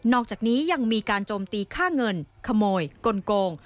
อกจากนี้ยังมีการโจมตีค่าเงินขโมยกลง